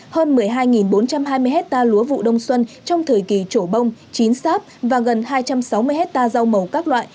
hơn một mươi hai bốn trăm hai mươi hectare lúa vụ đông xuân trong thời kỳ trổ bông chín sáp và gần hai trăm sáu mươi hectare rau màu các loại